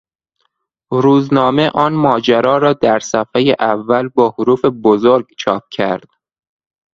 روزنامه آن ماجرا را در صفحهی اول با حروف بزرگ چاپ کرد.